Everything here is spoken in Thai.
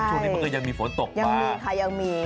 ช่วงนี้มันก็ยังมีฝนตกมา